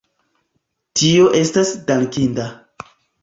Tio estas dankinda.